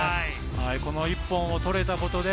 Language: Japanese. この１本を取れたことで。